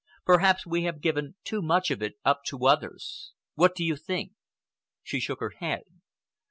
Perhaps we have given too much of it up to others. What do you think?" She shook her head.